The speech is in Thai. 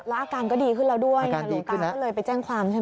แล้วอาการก็ดีขึ้นแล้วด้วยหลวงตาก็เลยไปแจ้งความใช่ไหม